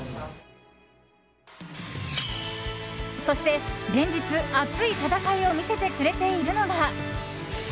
そして連日、熱い戦いを見せてくれているのが。